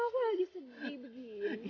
aku lagi sedih begini